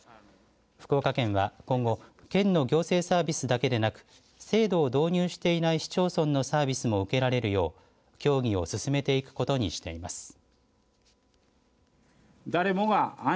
福岡県は今後県の行政サービスだけでなく制度を導入していない市町村のサービスも受けられるよう、協議を進めていくことにしています。